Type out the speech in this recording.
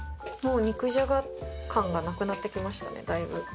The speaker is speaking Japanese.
もう肉じゃが感がなくなってきましたねだいぶ。